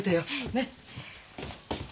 ねっ。